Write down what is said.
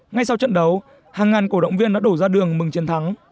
ngay sau trận đấu hàng ngàn cổ động viên đã đổ ra đường mừng chiến thắng